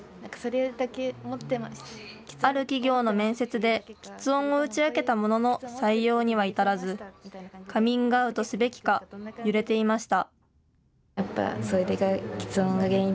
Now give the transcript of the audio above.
ある企業の面接できつ音を打ち明けたものの採用には至らずカミングアウトすべきか揺れていました。